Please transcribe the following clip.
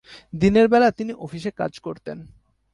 দিনের বেলা তিনি অফিসে কাজ করতেন।